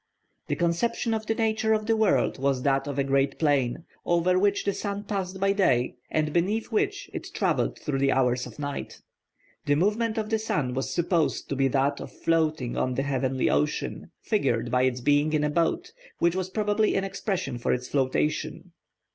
The conception of the nature of the world was that of a great plain, over which the sun passed by day, and beneath which it travelled through the hours of night. The movement of the sun was supposed to be that of floating on the heavenly ocean, figured by its being in a boat, which was probably an expression for its flotation.